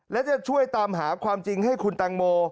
และจะช่วยตามหาความจริงให้คุณตังโม